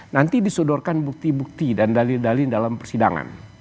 nanti disodorkan bukti bukti dan dalil dalil dalam persidangan